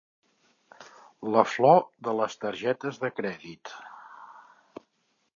La flor de les targetes de crèdit.